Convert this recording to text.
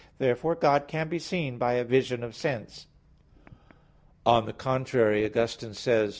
Therefore God can be seen by a vision of sense. On the contrary, Augustine says (De Vid. Deum, Ep.